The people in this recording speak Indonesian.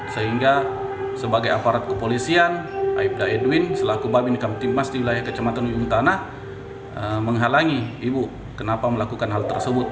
sehingga sebagai aparat kepolisian aibda edwin selaku babin kamtipmas di wilayah kecamatan ujung tanah menghalangi ibu kenapa melakukan hal tersebut